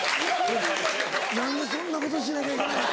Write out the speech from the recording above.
何でそんなことしなきゃいけない？